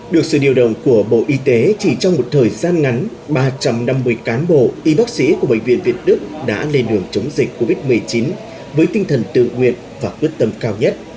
được sự điều động của bộ y tế chỉ trong một thời gian ngắn ba trăm năm mươi cán bộ y bác sĩ của bệnh viện việt đức đã lên đường chống dịch covid một mươi chín với tinh thần tự nguyện và quyết tâm cao nhất